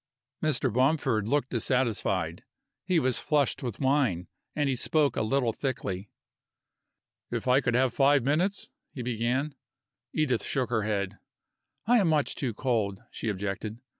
Mr. Bomford looked dissatisfied. He was flushed with wine and he spoke a little thickly. "If I could have five minutes " he began. Edith shook her head. "I am much too cold," she objected.